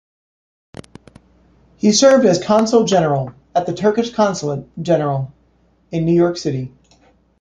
He served as Consul General at the Turkish Consulate General in New York City.